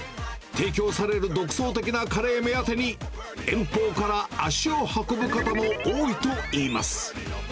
提供される独創的なカレー目当てに、遠方から足を運ぶ方も多いといいます。